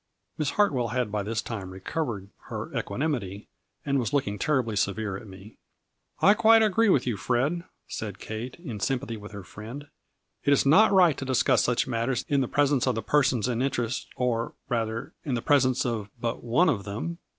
Miss Hartwell had by this time recovered her equanimity, andwas looking terribly severe at me. " I quite agree with you, Fred," said Kate, in sympathy with her friend, " It is not right to discuss such matters in the presence of the persons in interest, or rather in the presence of but one of them.